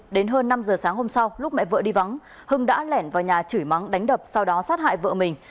đến hơn năm giờ sáng hôm sau lúc mẹ vợ đi vắng hưng đã lẻn vào nhà chửi mắng đánh đập sau đó sát hại vợ mình